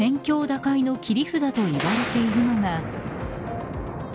打開の切り札と言われているのが。